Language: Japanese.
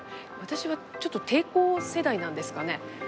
私はちょっと抵抗世代なんですかね。